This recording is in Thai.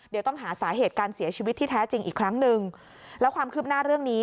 เดี๋ยวต้องหาสาเหตุการเสียชีวิตที่แท้จริงอีกครั้งหนึ่งแล้วความคืบหน้าเรื่องนี้